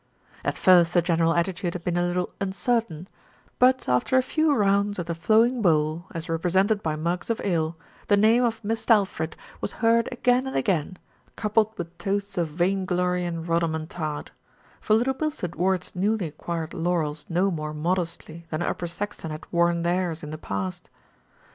At first the general attitude had been a little uncer tain; but after a few rounds of the flowing bowl, as rep resented by mugs of ale, the name of "Mist' Alfred" was heard again and again, coupled with toasts of vain glory and rhodomontade; for Little Bilstead wore its newly acquired laurels no more modestly than Upper Saxton had worn theirs in the past.